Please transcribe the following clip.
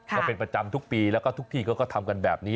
ก็เป็นประจำทุกปีแล้วก็ทุกที่เขาก็ทำกันแบบนี้